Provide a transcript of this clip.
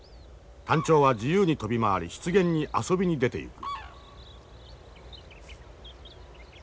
タンチョウは自由に飛び回り湿原に遊びに出ていく。